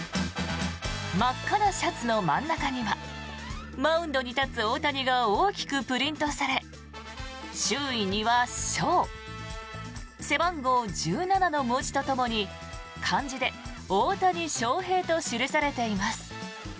真っ赤なシャツの真ん中にはマウンドに立つ大谷が大きくプリントされ周囲には「ＳＨＯ」背番号「１７」の文字とともに漢字で「大谷翔平」と記されています。